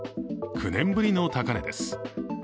９年ぶりの高値です。